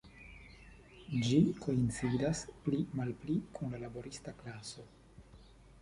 Ĝi koincidas pli malpli kun la laborista klaso.